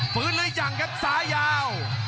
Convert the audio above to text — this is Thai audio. ฟื้นเลยอย่างครับสายยาว